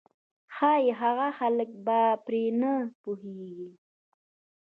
ښايي هغه خلک به پر دې نه پوهېږي.